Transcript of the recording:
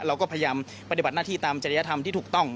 เราก็พยายามปฏิบัติหน้าที่ตามจริยธรรมที่ถูกต้อง